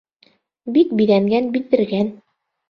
Бик биҙәнгән биҙҙергән.